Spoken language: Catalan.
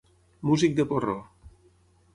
Músic de porró.